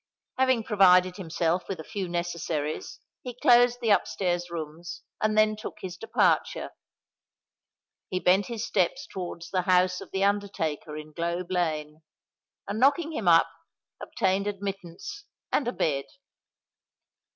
Having provided himself with a few necessaries, he closed the up stairs rooms, and then took his departure. He bent his steps towards the house of the undertaker in Globe Lane; and, knocking him up, obtained admittance and a bed.